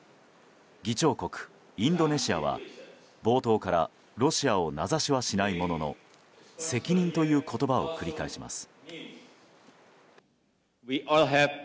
議長国インドネシアは、冒頭からロシアを名指しはしないものの責任という言葉を繰り返します。